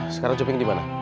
sekarang cuping dimana